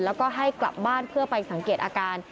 แล้วก็ให้กลับบ้านเพื่อไปสังเกตอาการ